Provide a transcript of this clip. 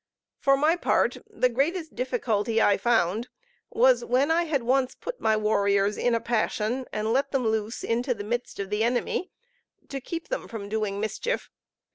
For my part, the greatest difficulty I found was, when I had once put my warriors in a passion, and let them loose into the midst of the enemy, to keep them from doing mischief.